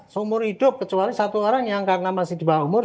seumur hidup kecuali satu orang yang karena masih di bawah umur